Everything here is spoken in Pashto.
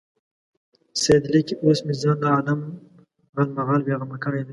سید لیکي اوس مې ځان له عالم غالمغال بېغمه کړی دی.